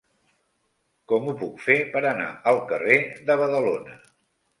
Com ho puc fer per anar al carrer de Badalona?